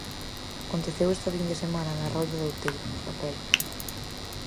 Aconteceu esta fin de semana na rolda de Outeiro, Raquel...